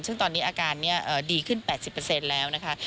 ซึ่งตอนนี้อาการดีขึ้น๘๐แล้วนะคะ